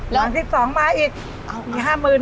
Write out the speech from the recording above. หลังที่สองมาอีกอ้าวอีกห้ามึน